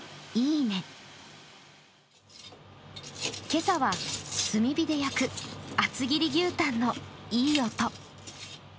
今朝は、炭火で焼く厚切り牛タンのいい音。